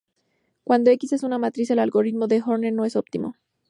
Cuando "x" es una matriz, el algoritmo de Horner no es óptimo.